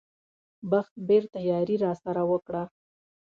بخت بېرته یاري راسره وکړه.